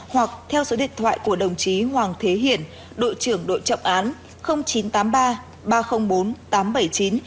hoặc theo số điện thoại của đồng chí hoàng thế hiển đội trưởng đội trọng án chín trăm tám mươi ba ba trăm linh bốn tám trăm bảy mươi chín